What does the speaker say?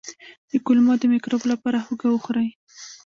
د کولمو د مکروب لپاره هوږه وخورئ